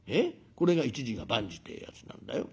これが一事が万事ってえやつなんだよ。